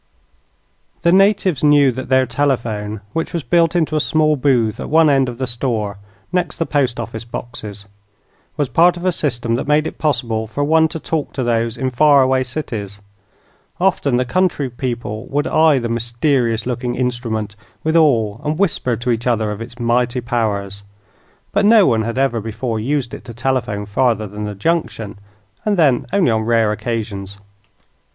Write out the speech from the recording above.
The natives knew that their telephone, which was built into a small booth at one end of the store next the post office boxes was part of a system that made it possible for one to talk to those in far away cities. Often the country people would eye the mysterious looking instrument with awe and whisper to each other of its mighty powers; but no one had ever before used it to telephone farther than the Junction, and then only on rare occasions.